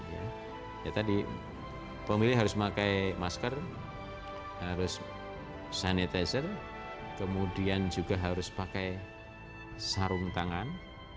ya tadi pemilih harus pakai masker harus sanitizer kemudian juga harus pakai sarung tangan